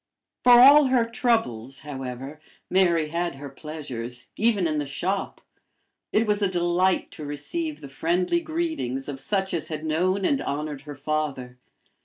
For all her troubles, however, Mary had her pleasures, even in the shop. It was a delight to receive the friendly greetings of such as had known and honored her father.